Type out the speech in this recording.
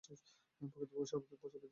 প্রকৃতপক্ষে, "সর্বাধিক প্রচলিত বই"।